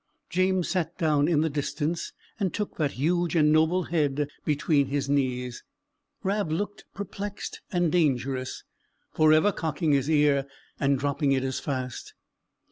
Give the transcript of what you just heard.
James sat down in the distance, and took that huge and noble head between his knees. Rab looked perplexed and dangerous; forever cocking his ear and dropping it as fast.